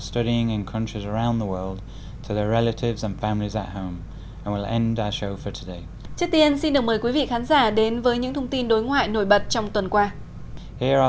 trước tiên xin đồng mời quý vị khán giả đồng hành